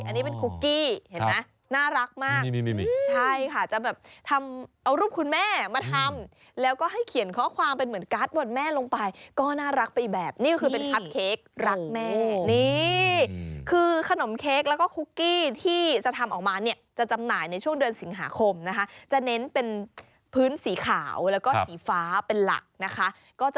อันนี้เป็นคุกกี้เห็นไหมน่ารักมาก